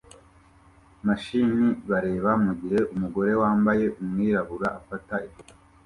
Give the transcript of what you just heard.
mashini bareba mugihe umugore wambaye umwirabura afata ifoto